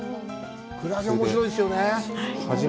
クラゲ、おもしろいですよね。